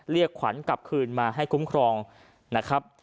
เรียกขวัญกลับคืนมาให้คุ้มครองนะครับ